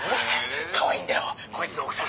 かわいいんだよこいつの奥さん。